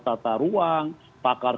tata ruang pakar